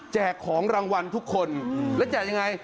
ของรางวัลทุกคนแล้วแจกยังไง